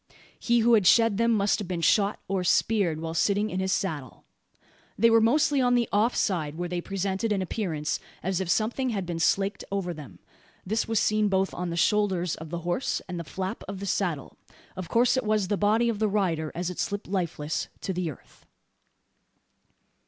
He who had shed them must have been shot, or speared, while sitting in his saddle. They were mostly on the off side; where they presented an appearance, as if something had been slaked over them. This was seen both on the shoulders of the horse, and the flap of the saddle. Of course it was the body of the rider as it slipped lifeless to the earth.